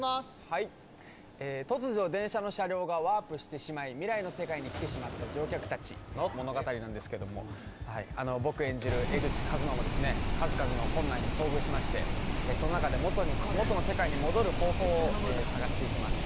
はい突如電車の車両がワープしてしまい未来の世界に来てしまった乗客たちの物語なんですけども僕演じる江口和真もですね数々の困難に遭遇しましてその中で元の世界に戻る方法を探していきます